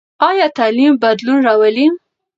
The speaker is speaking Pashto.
ایا تعلیم بدلون راولي؟